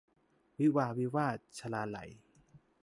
วิวาห์วิวาท - ชลาลัย